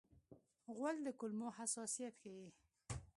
غول د کولمو حساسیت ښيي.